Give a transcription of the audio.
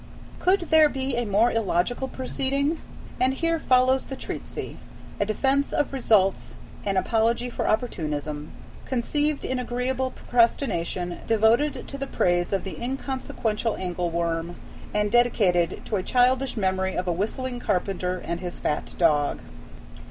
Could there be a more illogical proceeding? And here follows the treatise, a Defense of Results, an Apology for Opportunism, conceived in agreeable procrastination, devoted to the praise of the inconsequential angleworm, and dedicated to a childish memory of a whistling carpenter and his fat dog.